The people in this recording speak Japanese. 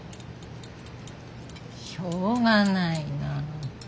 しょうがないな。